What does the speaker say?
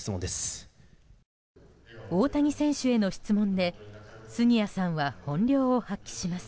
大谷選手への質問で杉谷さんは本領を発揮します。